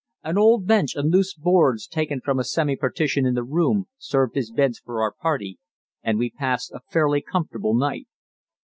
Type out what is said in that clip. An old bench and loose boards taken from a semi partition in the room served as beds for our party, and we passed a fairly comfortable night.